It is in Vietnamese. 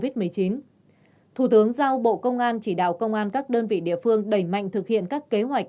thủ tướng giao bộ công an chỉ đạo công an các đơn vị địa phương đẩy mạnh thực hiện các kế hoạch